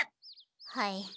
はい。